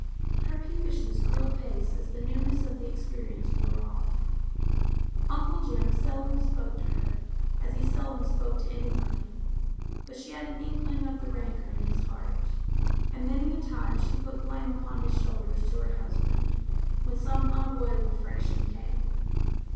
Her peevishness grew apace as the newness of the experience wore of?. Uncle Jim seldom spoke to her, as he seldom spoke to any body, but she had an inkling of the rancour in his heart, and many a time she put blame upon his shoul ders to her husband, when some unavoidable friction came.